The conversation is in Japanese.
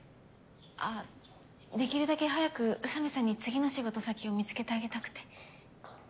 あっできるだけ早く宇佐美さんに次の仕事先を見つけてあげたくて。